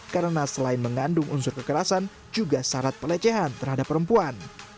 karena selain mengandung unsur kekerasan juga syarat pelecehan terhadap perempuan